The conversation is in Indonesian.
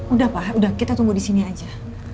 udah pak udah kita tunggu disini aja